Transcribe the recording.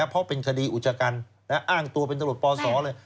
เพราะเป็นคดีอุจจกรรมและอ้างตัวเป็นตำรวจปศเลย